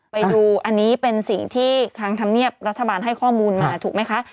ไปดูอันนี้เป็นสิ่งที่ทางธรรมเนียบรัฐบาลให้ข้อมูลมาถูกไหมคะ